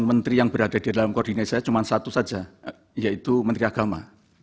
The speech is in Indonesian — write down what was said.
menteri yang berada di dalam koordinasi saya cuma satu saja yaitu menteri agama